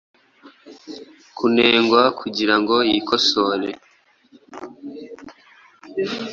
Kunengwa kugira ngo yikosore.